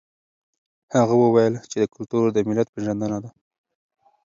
هغه وویل چې کلتور د ملت پېژندنه ده.